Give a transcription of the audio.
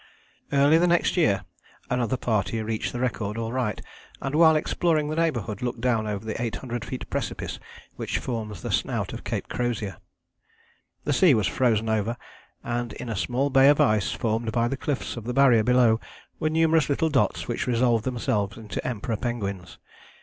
Early the next year another party reached the record all right, and while exploring the neighbourhood looked down over the 800 feet precipice which forms the snout of Cape Crozier. The sea was frozen over, and in a small bay of ice formed by the cliffs of the Barrier below were numerous little dots which resolved themselves into Emperor penguins.